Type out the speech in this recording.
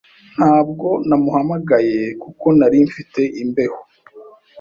Ntabwo namuhamagaye kuko nari mfite imbeho.